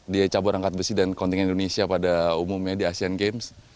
dia cabut angkat besi dan kontingin indonesia pada umumnya di asean games